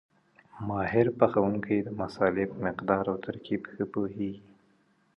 ماهر پخوونکی د مسالې په مقدار او ترکیب ښه پوهېږي.